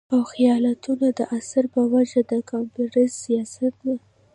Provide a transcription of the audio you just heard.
او خياالتو د اثر پۀ وجه د قامپرست سياست نه